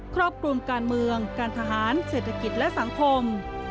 ครอบคลุมการเมืองการทหารเศรษฐกิจและสังคม